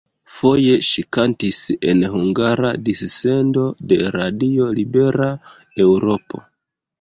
Foje ŝi kantis en hungara dissendo de Radio Libera Eŭropo.